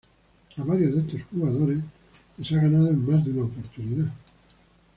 A varios de estos jugadores les ha ganado en más de una oportunidad.